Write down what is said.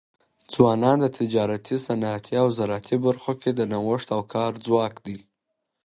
ځوانان د تجارتي، صنعتي او زراعتي برخو کي د نوښت او کار ځواک دی.